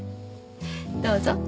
どうぞ。